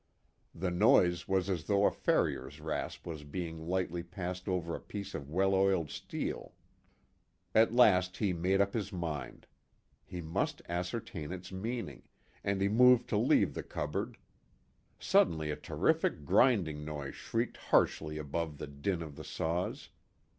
The noise was as though a farrier's rasp was being lightly passed over a piece of well oiled steel. At last he made up his mind. He must ascertain its meaning, and he moved to leave the cupboard. Suddenly a terrific grinding noise shrieked harshly above the din of the saws.